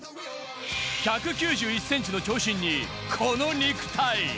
１９１センチの長身に、この肉体。